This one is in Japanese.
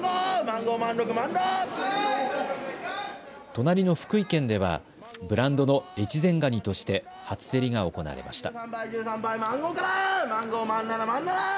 隣の福井県ではブランドの越前ガニとして初競りが行われました。